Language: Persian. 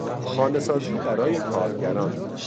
خانه سازی برای کارگران